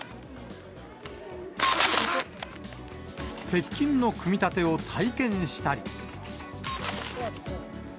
鉄筋の組み立てを体験したり。